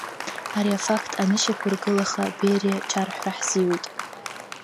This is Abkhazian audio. Ари афакт анышьақәыргылаха Бериа чарҳәара ҳзиуит.